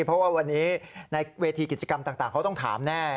เพราะว่าวันนี้ในเวทีกิจกรรมต่างเขาต้องถามแน่